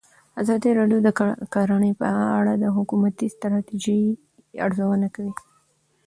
ازادي راډیو د کرهنه په اړه د حکومتي ستراتیژۍ ارزونه کړې.